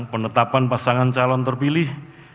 penetapan pasangan calon terpilih